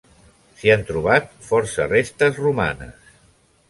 S'hi han trobat força restes romanes.